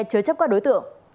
chớ chấp các đối tượng